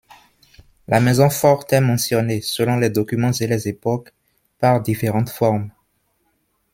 La maison forte est mentionnée, selon les documents et les époques, par différentes formes.